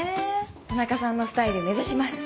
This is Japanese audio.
田中さんのスタイル目指します。